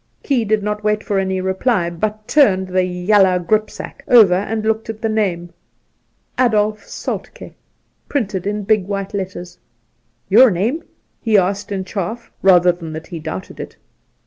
Key did not wEiit for any reply, but turned the ' yaller gripsack ' over and looked at the name, ' Adolf Soltk^,' painted in big white letters. ' Your name ?' he asked in chaff, rather than that he doubted it.